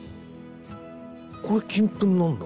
これ金粉なんだ。